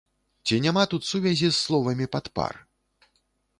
Ці няма тут сувязі з словамі падпар.